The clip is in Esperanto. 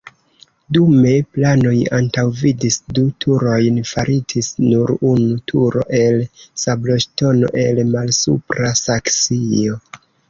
Dume planoj antaŭvidis du turojn faritis nur unu turo el sabloŝtono el Malsupra Saksio.